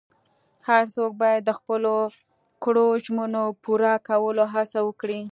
هر څوک باید د خپلو کړو ژمنو پوره کولو هڅه وکړي.